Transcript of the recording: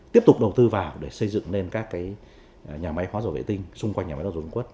tiếp tục đầu tư vào để xây dựng lên các nhà máy hóa dầu vệ tinh xung quanh nhà máy lọc dầu dung quất